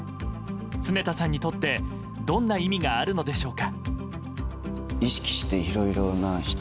常田さんにとってどんな意味があるのでしょうか。